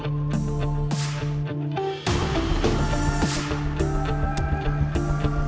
hidup kita akan tenang lagi sayang